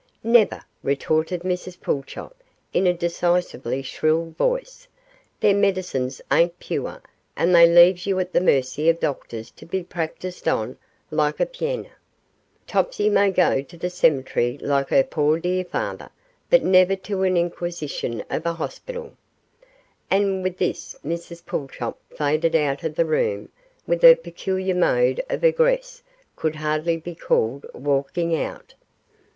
'Never,' retorted Mrs Pulchop, in a decisively shrill voice; 'their medicines ain't pure, and they leaves you at the mercy of doctors to be practised on like a pianer. Topsy may go to the cemetery like her poor dear father, but never to an inquisition of a hospital;' and with this Mrs Pulchop faded out of the room, for her peculiar mode of egress could hardly be called walking out.